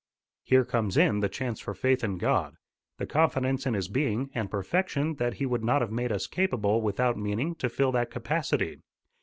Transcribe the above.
Here comes in the chance for faith in God the confidence in his being and perfection that he would not have made us capable without meaning to fill that capacity.